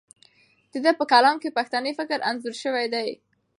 د ده په کلام کې پښتني فکر انځور شوی دی.